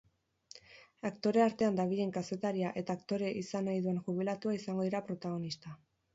Aktore artean dabilen kazetaria eta aktore izan nahi duen jubilatua izango dira protagonista.